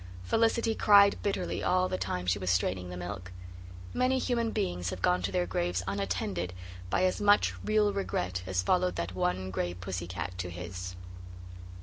Felicity cried bitterly all the time she was straining the milk. Many human beings have gone to their graves unattended by as much real regret as followed that one gray pussy cat to his.